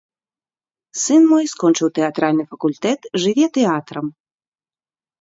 Сын мой скончыў тэатральны факультэт, жыве тэатрам.